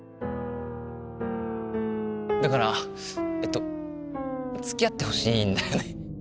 だからえっと付き合ってほしいんだよね